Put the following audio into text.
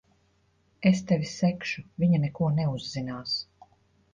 Es tevi segšu. Viņa neko neuzzinās.